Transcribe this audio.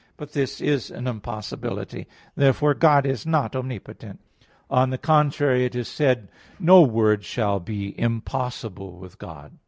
But this is an impossibility. Therefore God is not omnipotent. On the contrary, It is said: "No word shall be impossible with God" (Luke 1:37).